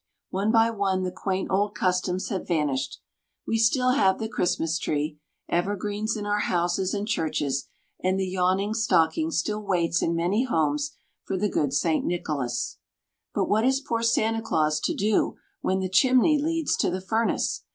One by one the quaint old customs have vanished. We still have the Christmas tree, evergreens in our houses and churches, and the yawning stocking still waits in many homes for the good St. Nicholas. But what is poor Santa Claus to do when the chimney leads to the furnace?